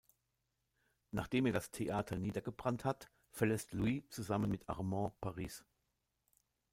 Nachdem er das Theater niedergebrannt hat, verlässt Louis zusammen mit Armand Paris.